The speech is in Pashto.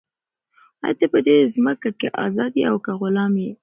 آیا ته په دې مځکه کې ازاد یې او که غلام یې؟